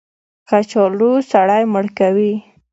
کچالو سړی مړ کوي